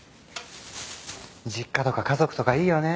実家とか家族とかいいよね。